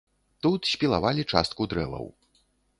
Тут спілавалі частку дрэваў.